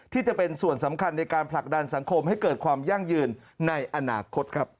ที่จะเป็นส่วนสำคัญในการผลักดันสังคมให้เกิดความยั่งยืนในอนาคตครับ